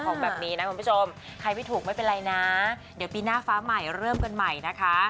ของแบบนี้นะคุณผู้ชมใครไม่ถูกไม่เป็นไรนะเดี๋ยวปีหน้าฟ้าใหม่เริ่มกันใหม่นะคะ